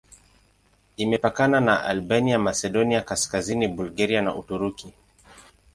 Imepakana na Albania, Masedonia Kaskazini, Bulgaria na Uturuki.